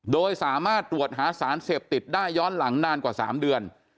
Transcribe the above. โดยสามารถตรวจหาสารเสพติดได้ย้อนหลังนานกว่า๓เดือน